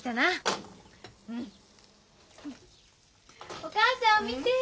お母さん見て！